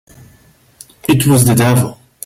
It was the devil!